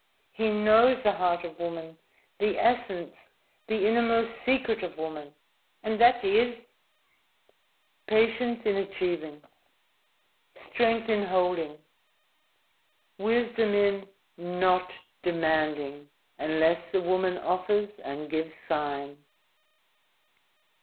He knows the heart of woman the essence, the innermost secret of woman." "And that is " "Patience in achieving. Strength in holding. Wisdom in not demanding unless the woman offers and gives sign."